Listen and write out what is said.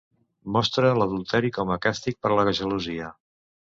Mostra l'adulteri com a càstig per la gelosia.